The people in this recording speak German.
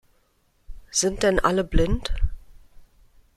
Sind denn alle blind?